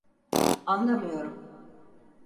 Anlamıyorum.